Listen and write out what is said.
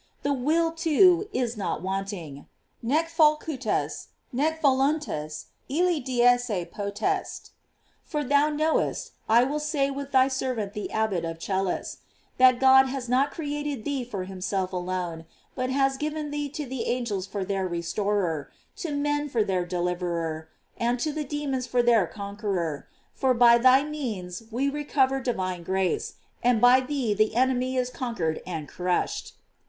The will, too, is not wanting. Nee facul tas, nee voluntas illi deesse potest.* For thou knowest, I will say with thy servant the Abbot of Celles, that God has not created thee for him self alone, but has given thee to the angels for their restorer, to men for their deliverer, and to the demons for their conqueror, for by thy means we recover divine grace, and by thee the enemy is conquered and crushed.